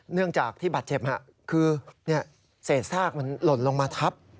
เนื่องจากที่บาดเจ็บค่ะคือเนี่ยเสร็จซากมันหล่นลงมาทับ